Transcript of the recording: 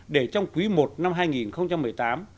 để trong quý i năm hai nghìn một mươi tám